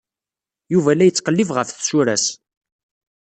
Yuba la yettqellib ɣef tsura-s.